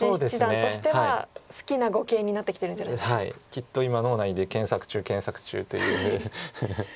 きっと今脳内で「検索中検索中」という。